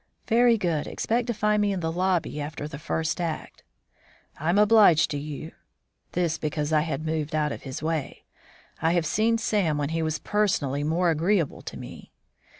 "Very good; expect to find me in the lobby after the first act." "I'm obliged to you." This because I had moved out of his way. I have seen Sam when he was personally more agreeable to me.